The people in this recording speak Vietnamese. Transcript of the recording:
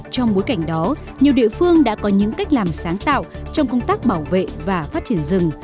trong bối cảnh đó nhiều địa phương đã có những cách làm sáng tạo trong công tác bảo vệ và phát triển rừng